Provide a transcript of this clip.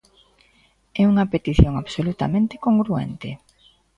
É unha petición absolutamente congruente.